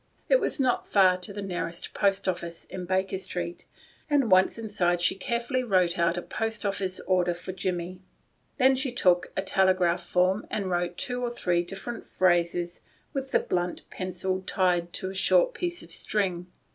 It was not far to the nearest post office, in Baker Street, and once inside she carefully wrote out a post office order for Jimmie. Then she took a telegraph form and wrote two or three different phrases with the blunt pencil tied to a short piece of string.